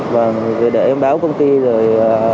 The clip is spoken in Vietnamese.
vâng rồi để em báo công ty rồi đấy thôi